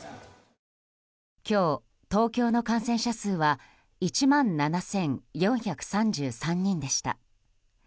今日、東京の感染者数は１万７４３３人でした。